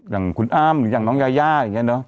อย่างคุณอ้ำหรืออย่างน้องยายาอย่างนี้เนอะ